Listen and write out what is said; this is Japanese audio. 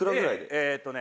「えっ？」